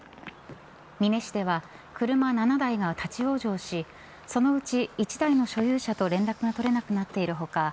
美祢市では車７台が立ち往生しそのうち１台の所有者と連絡が取れなくなっている他